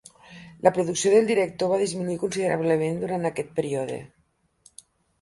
La producció del director va disminuir considerablement durant aquest període.